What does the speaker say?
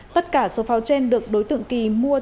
tất cả số pháo trên được đối tượng kỳ mua